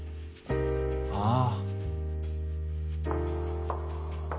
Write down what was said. ああ。